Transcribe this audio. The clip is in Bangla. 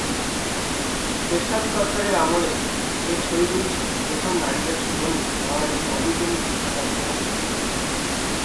এরশাদ সরকার এর আমলে শেখ শহীদুল ইসলাম প্রথম নারীদের জন্য বাংলাদেশে অবৈতনিক শিক্ষা কার্যক্রম চালু করেন।